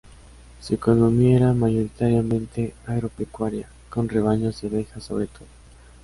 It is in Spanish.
Su economía era mayoritariamente agropecuaria, con rebaños de ovejas sobre todo.